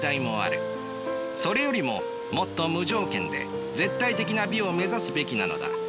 それよりももっと無条件で絶対的な美を目指すべきなのだ。